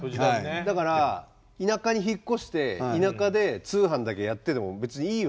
だから田舎に引っ越して田舎で通販だけやってても別にいいわけじゃないですか。